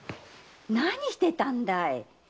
何してたんだい？